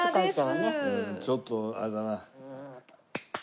ちょっとあれだな。